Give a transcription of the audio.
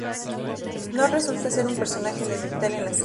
No resulta ser un personaje elemental en la saga.